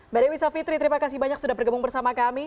mbak dewi savitri terima kasih banyak sudah bergabung bersama kami